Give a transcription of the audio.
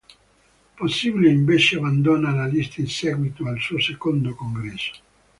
Possibile invece abbandona la lista in seguito al suo secondo congresso.